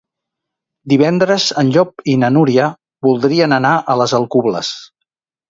Divendres en Llop i na Núria voldrien anar a les Alcubles.